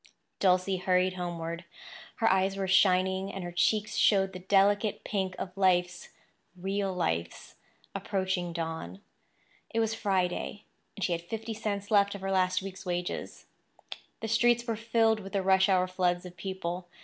Dulcie hurried homeward. Her eyes were shining, and her cheeks showed the delicate pink of life's—real life's—approaching dawn. It was Friday; and she had fifty cents left of her last week's wages. The streets were filled with the rush hour floods of people.